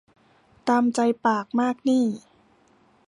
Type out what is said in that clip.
ตามใจปากมากหนี้